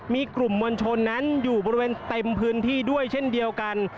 มีกลุ่มมวลชนนั้นอยู่บริเวณเต็มพื้นที่ด้วยเช่นเดียวกัน